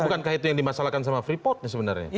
itu bukan kah itu yang dimasalahkan sama freeport sebenarnya